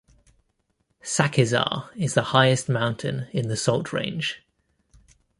Sakesar is the highest mountain in the Salt Range.